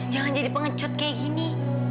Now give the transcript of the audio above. jangan jadi pengecut kayak gini